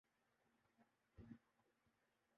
اورجاذب نظربھی۔